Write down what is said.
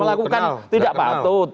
melakukan tidak patut